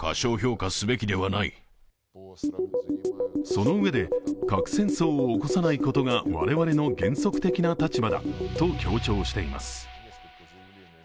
そのうえで、核戦争を起こさないことが我々の原則的な立場だと強調しています。